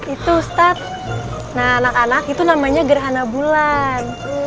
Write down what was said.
itu ustadz nah anak anak itu namanya gerhana bulan